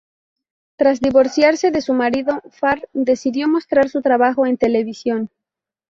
Tras divorciarse de su marido, Farr decidió mostrar su trabajo en televisión.